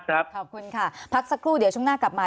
ขอบคุณค่ะพักสักครู่เดี๋ยวช่วงหน้ากลับมา